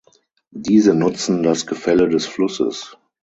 Diese nutzen das Gefälle des Flusses.